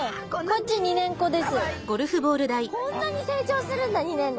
こんなに成長するんだ２年で！